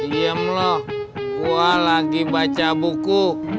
diem loh gue lagi baca buku